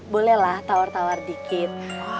boleh lah tawar tawar dikit